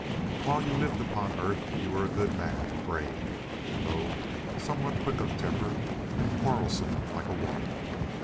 "While you lived upon earth, you were a good man and brave, though somewhat quick of temper and quarrelsome like a woman.